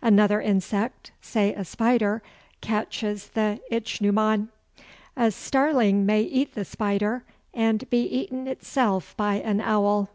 Another insect, say a spider, catches the ichneumon. A starling may eat the spider, and be itself eaten by an owl.